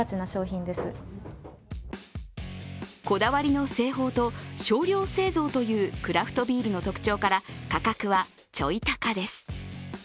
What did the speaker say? こだわりの製法と少量製造というクラフトビールの特徴から価格はちょい高です。